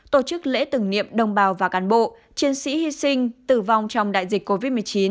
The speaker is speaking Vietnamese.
tổ chức lễ tưởng niệm đồng bào và cán bộ chiến sĩ hy sinh tử vong trong đại dịch covid một mươi chín